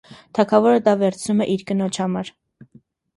Թագավորն դա վերցնում է իր կնոջ համար։